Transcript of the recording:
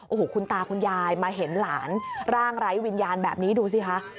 โอ้โหคุณตาคุณยายมาเห็นหลานร่างไร้วิญญาณแบบนี้ดูสิคะ